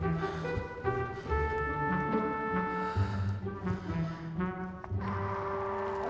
sebetulnya waktu mu orang satu megangan